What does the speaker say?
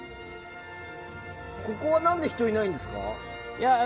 ここは何で人がいないんですか。